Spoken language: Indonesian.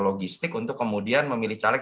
logistik untuk kemudian memilih caleg